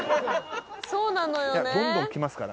そうなのよね。